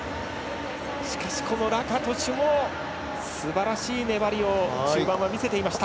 しかし、ラカトシュもすばらしい粘りを中盤は見せていました。